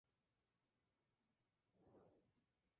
Blondel no lo piensa.